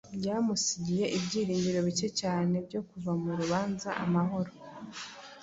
byamusigiye ibyiringiro bike cyane byo kuva mu rubanza amahoro.